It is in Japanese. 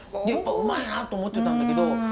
やっぱうまいなと思ってたんだけど。